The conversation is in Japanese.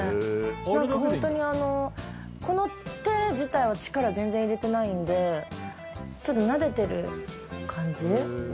なんかホントにあのこの手自体は力全然入れてないんでただなでてる感じ。